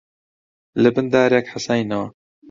لەبن دارێک حەساینەوە